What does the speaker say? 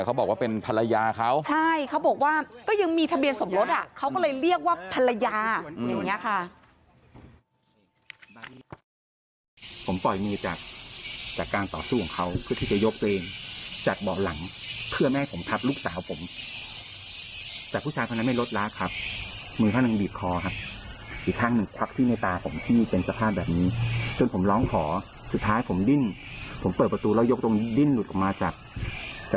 เขาบอกว่าก็ยังมีทะเบียนสมรสอ่ะเขาก็เลยเรียกว่าภรรยาอย่างเงี้ยค่ะ